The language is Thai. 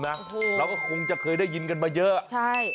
เราก็คงจะเคยได้ยินกันมาเยอะใช่